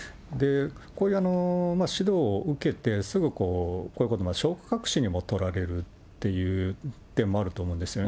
こういう指導を受けて、すぐこう、こういうことを証拠隠しにも取られるという点もあると思うんですよね。